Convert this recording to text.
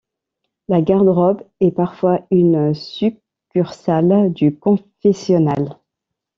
La garde-robe est parfois une succursale du confessionnal.